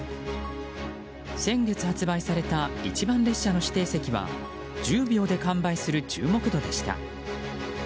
先月発売された一番列車の指定席は１０秒で完売する注目度でした。